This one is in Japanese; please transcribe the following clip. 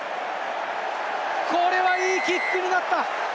これは、いいキックになった！